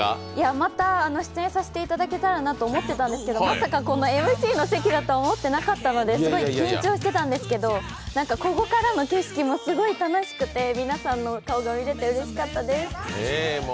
また出演させていただけたらなとは思っていたんですけどまさかＭＣの席だと思ってなかったので、すごい緊張してたんですけど、ここからの景色もすごい楽しくて皆さんの顔が見れてうれしかったです。